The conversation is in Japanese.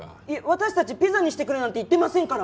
私たちピザにしてくれなんて言ってませんから。